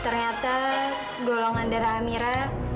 ternyata golongan darah amira